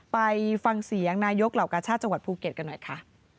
ไปฟังเสียงนายกเหล่ากาชาติจังหวัดภูเก็ตกันหน่อยค่ะ